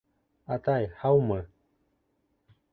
Атай, һаумы!